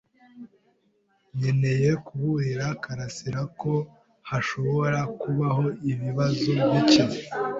Nkeneye kuburira Karasirako hashobora kubaho ibibazo bike.